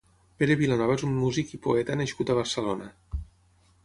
Pere Vilanova és un músic i poeta nascut a Barcelona.